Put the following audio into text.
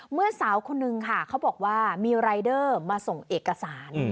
เมื่อสาวคนนึงค่ะเขาบอกว่ามีรายเดอร์มาส่งเอกสาร